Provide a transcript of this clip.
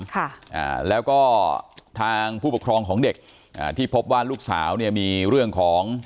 ค่ะอ่าแล้วก็ทางผู้ปกครองของเด็กอ่าที่พบว่าลูกสาวเนี่ยมีเรื่องของ